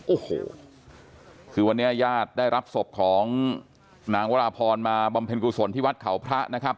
โอ้โหคือวันนี้ญาติได้รับศพของนางวราพรมาบำเพ็ญกุศลที่วัดเขาพระนะครับ